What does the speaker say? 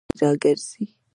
خلک راځي دلته ګرځي را ګرځي.